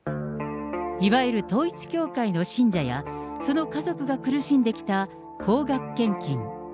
いわゆる統一教会の信者や、その家族が苦しんできた高額献金。